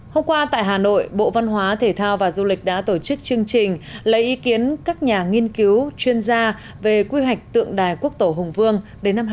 hôm qua tại hà nội bộ văn hóa thể thao và du lịch đã tổ chức chương trình lấy ý kiến các nhà nghiên cứu chuyên gia về quy hoạch tượng đài quốc tổ hùng vương đến năm hai nghìn ba mươi